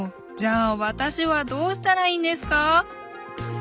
じゃあ私はどうしたらいいんですか？